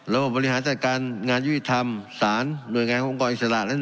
บริหารจัดการงานยุติธรรมศาลหน่วยงานขององค์กรอิสระ